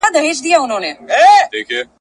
له ځالۍ سره نیژدې پورته یو غار وو `